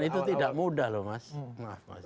dan itu tidak mudah loh mas